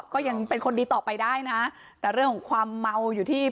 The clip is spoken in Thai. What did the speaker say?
ก็ยังเป็นคนดีต่อไปได้นะแต่เรื่องของความเมาอยู่ที่